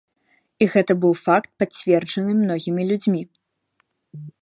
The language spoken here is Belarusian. І гэта быў факт, пацверджаны многімі людзьмі.